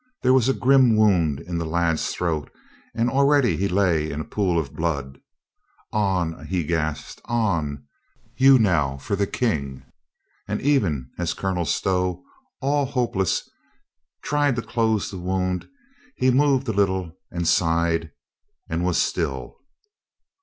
There was a grim wound in the lad's throat and already he lay in a pool of blood. "On !" he gasped. "On! You now! For — for the King!" and even as Colonel Stow, all hopeless, tried to close the wound he moved a little and sighed and was still.